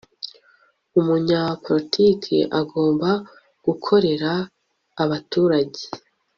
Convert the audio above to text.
umunyapolitiki agomba gukorera abaturage